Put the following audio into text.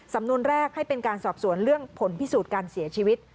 สำนวนแรกให้เป็นการสอบสวนเรื่องผลพิสูจน์การเสียชีวิต